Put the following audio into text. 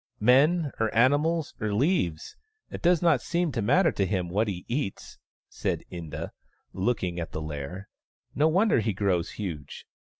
" Men, or animals, or leaves — it does not seem to matter to him what he eats," said Inda, looking at the lair. " No wonder he grows huge.